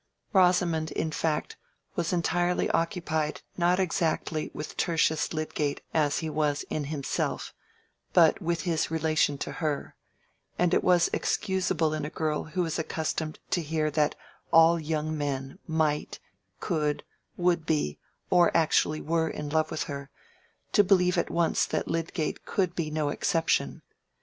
Rosamond, in fact, was entirely occupied not exactly with Tertius Lydgate as he was in himself, but with his relation to her; and it was excusable in a girl who was accustomed to hear that all young men might, could, would be, or actually were in love with her, to believe at once that Lydgate could be no exception.